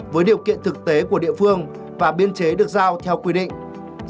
với điều kiện thực tế của địa phương và biên chế được giao theo quy định